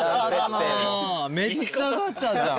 めっちゃガチャじゃん。